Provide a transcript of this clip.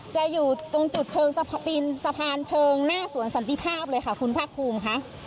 จะอยู่ตรงจุดเชิงตีนสะพานเชิงหน้าสวรรค์สันติภาพเลยค่ะคุณพระคุมค่ะ